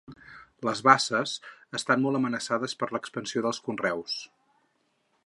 Les basses estan molt amenaçades per l'expansió dels conreus.